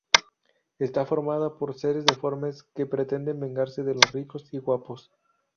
Está formada por seres deformes que pretenden vengarse de los ricos y guapos.